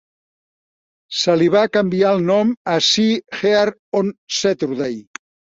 Se li va canviar el nom a "See Hear on Saturday".